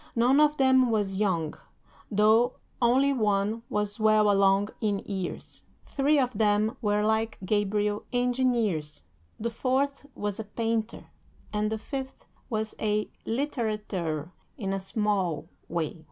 None of them was young, though only one was well along in years. Three of them were, like Gabriel, engineers, the fourth was a painter, and the fifth was a litterateur in a small way.